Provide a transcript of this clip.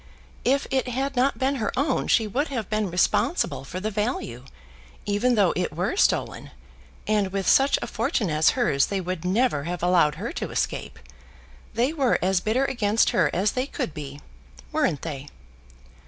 If it had not been her own she would have been responsible for the value, even though it were stolen; and with such a fortune as hers they would never have allowed her to escape. They were as bitter against her as they could be; weren't they?"